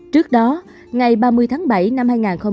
trước đó ngày ba mươi tháng bảy năm hai nghìn hai mươi